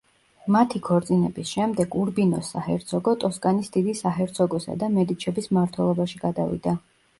მათი ქორწინების შემდეგ ურბინოს საჰერცოგო ტოსკანის დიდი საჰერცოგოსა და მედიჩების მმართველობაში გადავიდა.